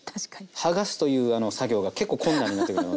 剥がすというあの作業が結構困難になってくるので。